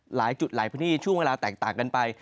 หลายจุดหลายพื้นที่ช่วงเวลาแตกต่างกันไป